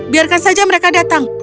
biarkan saja mereka datang